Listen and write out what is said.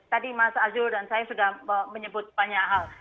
tadi mas azul dan saya sudah menyebut banyak hal